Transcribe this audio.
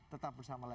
tetap bersama lagi